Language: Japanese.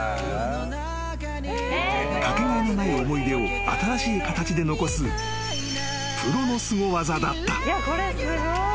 ［かけがえのない思い出を新しい形で残すプロのすご技だった］